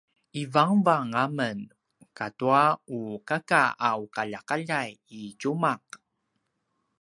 ivangavang a men ata u kaka a uqaljaqaljai i tjumaq